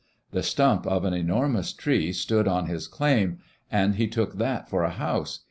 The stump of an enormous tree stood on his "claim" and he took that for a house.